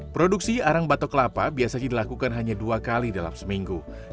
produksi arang batok kelapa biasanya dilakukan hanya dua kali dalam seminggu